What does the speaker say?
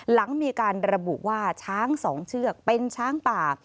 หลังมีการระบุว่าช้าง๒เชือกเป็นช้างป่า